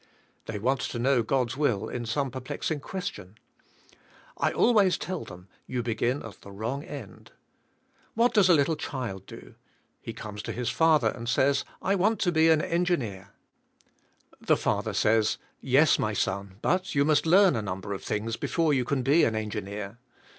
They want to knov/ God's will in some perplexing question. I always tell them, you be gin at the wrong end. What does a little child do? He comes to his father and says, '' I want to be an engineer," the father says, "Yes, my son, but you must learn a num ber of things before you can be an engineer."